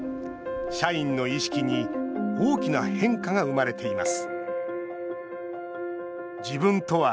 社員の意識に大きな変化が生まれています